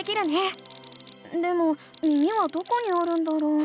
でも耳はどこにあるんだろう？